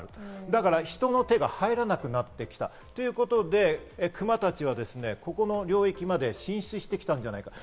だから人の手が入らなくなってきたということでクマたちはここの領域まで進出してきたんじゃないか。